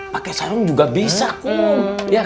pake sarung juga bisa kum